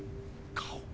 顔！